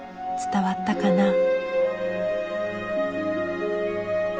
伝わったかな？